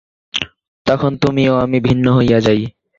তখন তুমি ও আমি ভিন্ন হইয়া যাই।